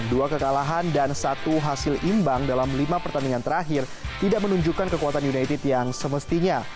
dua kekalahan dan satu hasil imbang dalam lima pertandingan terakhir tidak menunjukkan kekuatan united yang semestinya